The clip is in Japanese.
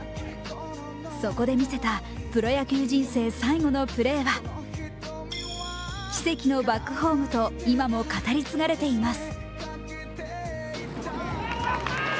そこで見せたプロ野球人生最後のプレーは奇跡のバックホームと今も語り継がれています。